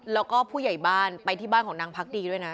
แล้วก็ผู้ใหญ่บ้านไปที่บ้านของนางพักดีด้วยนะ